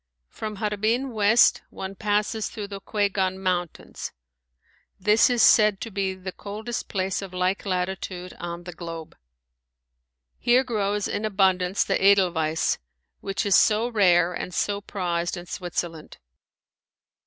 From Harbin west one passes through the Kuigan mountains. This is said to be the coldest place of like latitude on the globe. Here grows in abundance the Edelweiss, which is so rare and so prized in Switzerland.